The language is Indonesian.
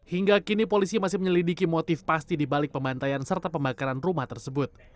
hingga kini polisi masih menyelidiki motif pasti dibalik pembantaian serta pembakaran rumah tersebut